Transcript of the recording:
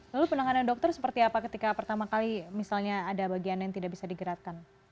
lalu penanganan dokter seperti apa ketika pertama kali misalnya ada bagian yang tidak bisa digerakkan